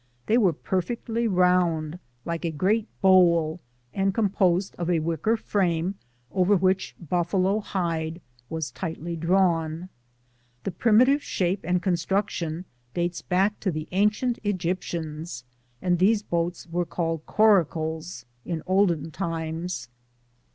They were perfectly round, like a great bowl, and composed of a wicker frame over which buffalo hide was tightly drawn. The primitive shape and construction dates back to the ancient Egyptians, and these boats were called coracles in olden times.